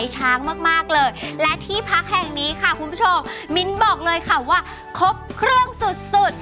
จะครบเครื่องสุด